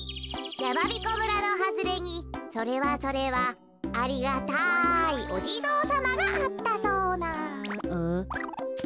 やまびこ村のはずれにそれはそれはありがたいおじぞうさまがあったそうなうん？